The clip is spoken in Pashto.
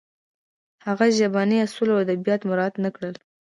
هغه ژبني اصول او ادبیات مراعت نه کړل